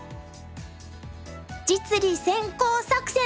実利先行作戦！